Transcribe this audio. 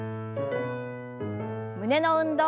胸の運動。